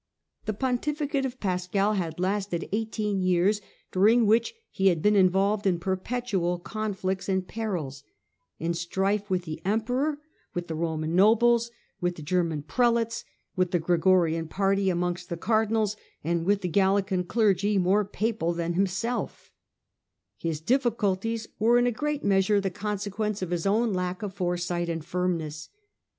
The pontificate of Pascal had lasted eighteen years, during which he had been involved in perpetual con flicts and perils — in strife with the emperor, with the Roman nobles, with the German prelates, with the Gregorian party amongst the cardinals, and with the Gallican clergy, more papal than himself His difficulties were in a great measure the consequence of his own lack Digitized by VjOOQIC Contest of Henry V. with the Pope 203 of foresight and firmness.